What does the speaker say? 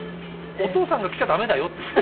「お父さんが来ちゃ駄目だよ」っていって。